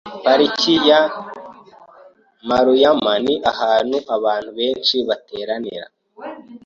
Parike ya Maruyama ni ahantu abantu benshi bateranira.